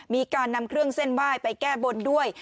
มีการนำเครื่องเส้นไหว้ไปแก้บนด้วย